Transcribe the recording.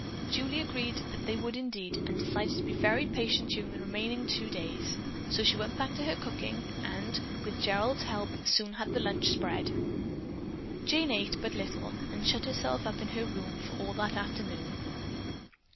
Julie agreed that they would indeed and decided to be very patient during the remaining two days. So she went back to her cooking and, with Gerald's help, soon had the lunch spread. Jane ate but little, and again shut herself up in her room for all that afternoon.